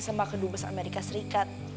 sama kedua bus amerika serikat